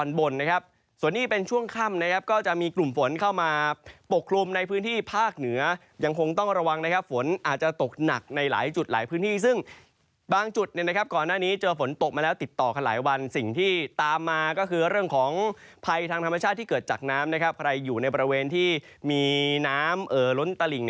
ส่วนนี้เป็นช่วงค่ำนะครับก็จะมีกลุ่มฝนเข้ามาปกคลุมในพื้นที่ภาคเหนือยังคงต้องระวังนะครับฝนอาจจะตกหนักในหลายจุดหลายพื้นที่ซึ่งบางจุดเนี่ยนะครับก่อนหน้านี้เจอฝนตกมาแล้วติดต่อกันหลายวันสิ่งที่ตามมาก็คือเรื่องของภัยทางธรรมชาติที่เกิดจากน้ำนะครับใครอยู่ในบริเวณที่มีน้ำล้นตลิ่ง